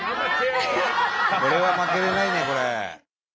これは負けれないねこれ。